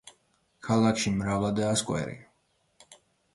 ქალაქში მრავლადაა სკვერი.